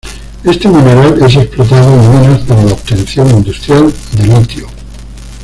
Este mineral es explotado en minas para la obtención industrial de litio.